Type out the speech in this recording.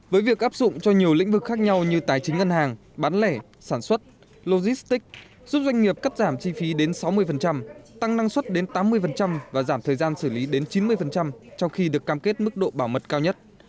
với việc áp dụng cho nhiều lĩnh vực khác nhau như tài chính ngân hàng bán lẻ sản xuất logistics giúp doanh nghiệp cắt giảm chi phí đến sáu mươi tăng năng suất đến tám mươi và giảm thời gian xử lý đến chín mươi trong khi được cam kết mức độ bảo mật cao nhất